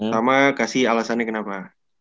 sama kasih alasannya kenapa